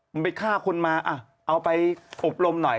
มันไปฆ่าคนมาเอาไปอบรมหน่อย